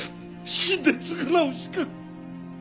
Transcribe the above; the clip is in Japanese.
死んで償うしか！